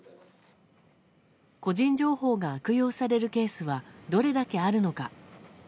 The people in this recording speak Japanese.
個人情報が悪用されるケースはどれだけあるのか。